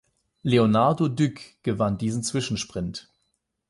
Leonardo Duque gewann diesen Zwischensprint.